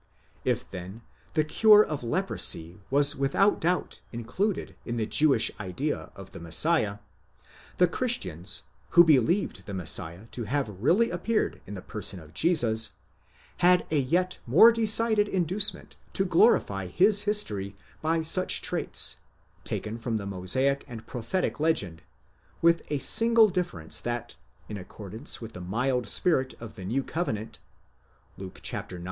If then, the cure of leprosy was without doubt included in the Jewish idea of the Messiah; the Christians, who believed the Messiah to have really appeared in the person of Jesus, had a yet more decided inducement to glorify his history by such traits, taken from the Mosaic and prophetic legend ; with the single difference that, in accordance with the mild spirit of the New Covenant (Luke ix.